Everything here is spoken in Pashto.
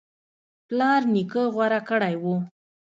پلار نیکه غوره کړی و